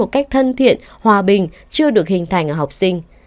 một cách thân thiện hòa bình chưa được hình thành ở học sinh